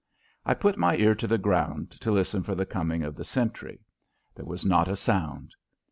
I put my ear to the ground to listen for the coming of the sentry. There was not a sound.